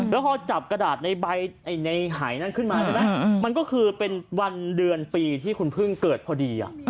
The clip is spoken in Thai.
แล้วพอจับกระดาษในใบในหายนั้นขึ้นมาใช่ไหมมันก็คือเป็นวันเดือนปีที่คุณเพิ่งเกิดพอดี